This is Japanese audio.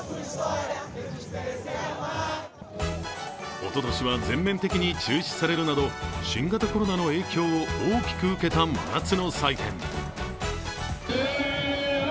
おととしは全面的に中止されるなど新型コロナの影響を大きく受けた真夏の祭典。